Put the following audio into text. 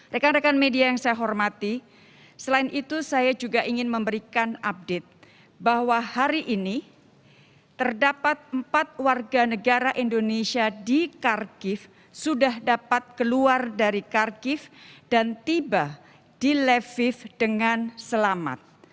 rekan rekan media yang saya hormati selain itu saya juga ingin memberikan update bahwa hari ini terdapat empat warga negara indonesia di kharkiv sudah dapat keluar dari kharkiv dan tiba di leviv dengan selamat